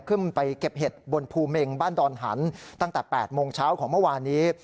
ขึ้นไปเก็บเห็ดบนภูเมงบ้านดอนหันตั้งแต่๘โมงเช้าของเมื่อวานนี้